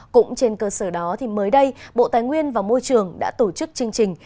cũng trên cơ sở đó thì mới đây bộ tài nguyên và môi trường đã tổ chức chương trình